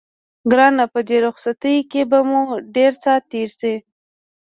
ګرانه په دې رخصتۍ کې به مو ډېر ساعت تېر شي.